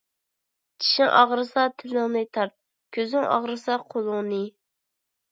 چىشىڭ ئاغرىسا تىلىڭنى تارت، كۆزۈڭ ئاغرىسا قولۇڭنى.